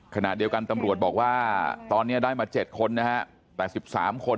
ขณะเดียวกันตำรวจบอกว่าตอนนี้ได้มา๗คนนะฮะแต่๑๓คน